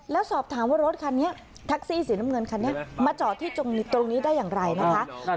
แล้วสอบถามว่ารถคันนี้แท็กซี่สีน้ำเงินคันนี้มาจอดที่ตรงนี้ได้อย่างไรนะคะ